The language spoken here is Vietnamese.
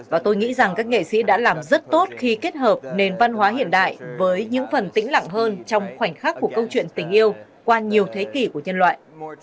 và tôi nghĩ rằng các nghệ sĩ đã làm rất tốt khi kết hợp nền văn hóa hiện đại với những phần tĩnh lặng hơn trong khoảnh khắc của câu chuyện tình yêu qua nhiều thế kỷ của nhân loại